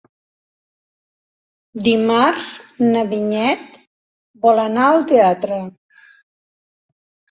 Dimarts na Vinyet vol anar al teatre.